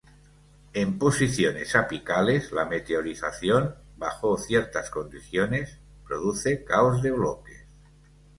En posiciones apicales, la meteorización bajo ciertas condiciones, produce caos de bloques.